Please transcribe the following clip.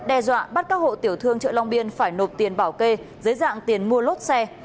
đe dọa bắt các hộ tiểu thương chợ long biên phải nộp tiền bảo kê dưới dạng tiền mua lốt xe